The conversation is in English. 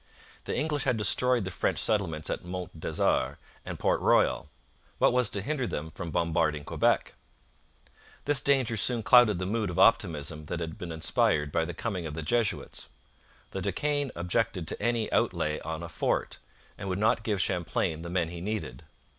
The English had destroyed the French settlements at Mount Desert and Port Royal. What was to hinder them from bombarding Quebec? This danger soon clouded the mood of optimism that had been inspired by the coming of the Jesuits. The De Caens objected to any outlay on a fort, and would not give Champlain the men he needed.